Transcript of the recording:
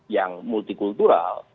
negara yang multikultural